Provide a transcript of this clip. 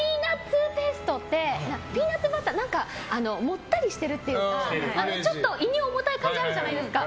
ピーナツバターってもったりしてるというかちょっと胃に重たい感じあるじゃないですか。